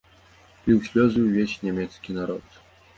Ліў слёзы ўвесь нямецкі народ.